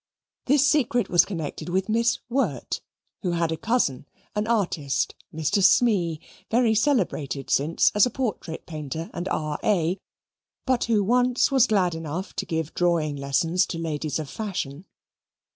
This secret was connected with Miss Wirt, who had a cousin an artist, Mr. Smee, very celebrated since as a portrait painter and R.A., but who once was glad enough to give drawing lessons to ladies of fashion.